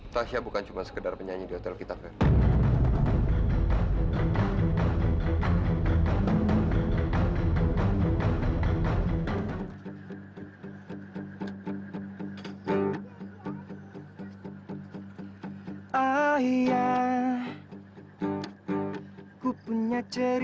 tasya bukan cuma sekedar penyanyi di hotel kita fer